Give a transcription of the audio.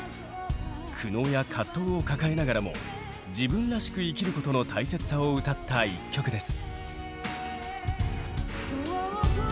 苦悩や葛藤を抱えながらも自分らしく生きることの大切さを歌った１曲です。